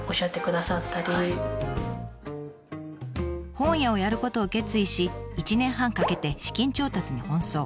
本屋をやることを決意し１年半かけて資金調達に奔走。